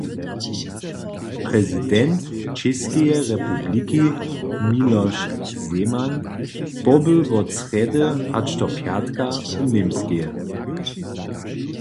Prezident Čěskeje republiki Miloš Zeman poby wot srjedy hač do pjatka w Němskej.